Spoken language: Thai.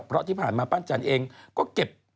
เพราะที่ผ่านมาปั้นจันทร์เองก็เก็บ